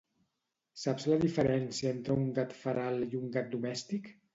Saps la diferència entre un gat feral i un gat domèstic?